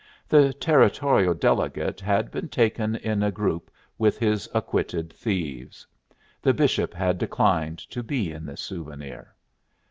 The Territorial Delegate had been taken in a group with his acquitted thieves. The Bishop had declined to be in this souvenir.